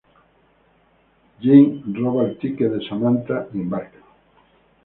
Jamie roba el ticket de Samantha y embarca.